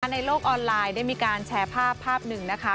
ในโลกออนไลน์ได้มีการแชร์ภาพภาพหนึ่งนะคะ